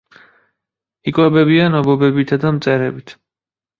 იკვებებიან ობობებითა და მწერებით.